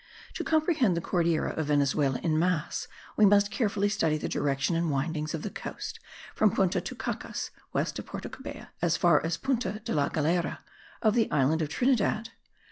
To comprehend the Cordillera of Venezuela in mass we must carefully study the direction and windings of the coast from Punta Tucacas (west of Porto Cabello) as far as Punta de la Galera of the island of Trinidad.